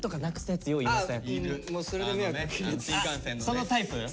そのタイプ？